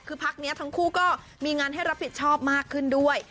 คือพักนี้ทั้งคู่ก็มีงานให้รับผิดชอบมากขึ้นด้วย